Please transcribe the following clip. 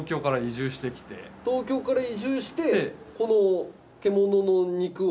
東京から移住してこの獣の肉を。